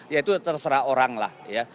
ya itu terserah orang lah ya